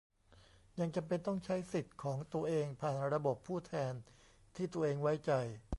ยังจำเป็นต้องใช้สิทธิ์ของตัวเองผ่านระบบผู้แทนที่ตัวเองไว้ใจ